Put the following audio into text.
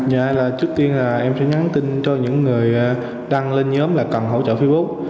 trước tiên là em sẽ nhắn tin cho những người đang lên nhóm và cần hỗ trợ facebook